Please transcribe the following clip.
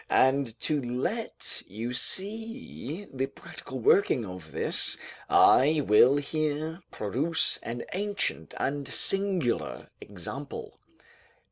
And to let you see the practical working of this, I will here produce an ancient and singular example.